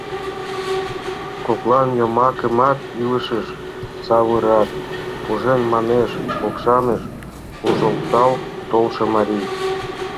— Коклан йомакымат илышыш савырат, — пужен манеш Кокшаныш куржтал толшо марий.